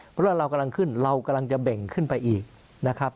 เพราะว่าเรากำลังขึ้นเรากำลังจะเบ่งขึ้นไปอีกนะครับ